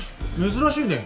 珍しいね。